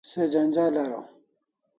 Se janjal araw